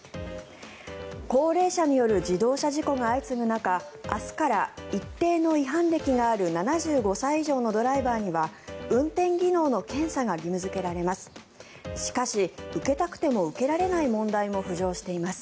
高齢者による自動車事故が相次ぐ中明日から一定の違反歴がある７５歳以上のドライバーには運転技能の検査が義務付けられます。